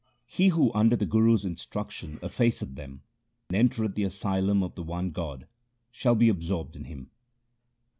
He who under the Guru's instruction effaceth them and entereth the asylum of the one God, shall be absorbed in Him.